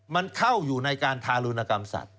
มันเข้าอยู่ในการทารุณกรรมสัตว